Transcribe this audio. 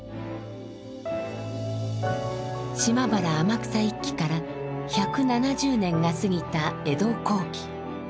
島原天草一揆から１７０年が過ぎた江戸後期。